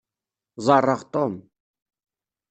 Ẓeṛṛeɣ Tom.